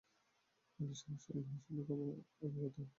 আল্লাহই সম্যক অবগত।